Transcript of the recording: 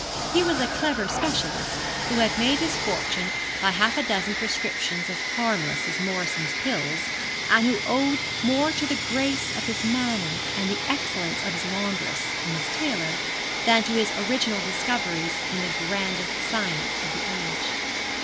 He was a clever specialist, who had made his fortune by half a dozen prescriptions as harmless as Morrison's pills, and who owed more to the grace of his manner and the excellence of his laundress and his tailor, than to his original discoveries in the grandest science of the age.